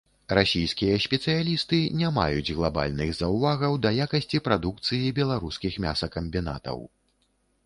Расійскія спецыялісты не маюць глабальных заўвагаў да якасці прадукцыі беларускіх мясакамбінатаў.